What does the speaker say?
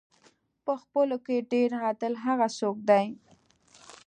په خپلو کې ډېر عادل هغه څوک دی.